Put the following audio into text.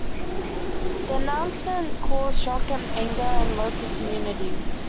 The announcement caused shock and anger in local communities.